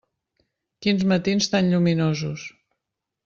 Quins matins tan lluminosos.